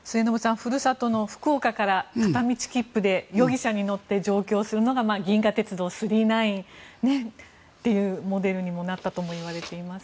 ふるさとの福岡から片道切符で夜汽車に乗って上京するのが「銀河鉄道９９９」っていうモデルになったともいわれています。